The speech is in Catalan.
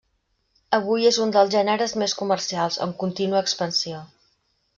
Avui és un dels gèneres més comercials, en contínua expansió.